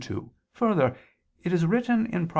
2: Further, it is written (Prov.